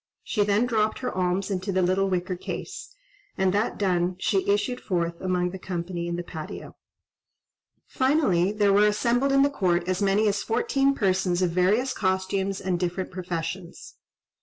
She then dropped her alms into the little wicker case—and that done, she issued forth among the company in the patio. Finally there were assembled in the court as many as fourteen persons of various costumes and different professions.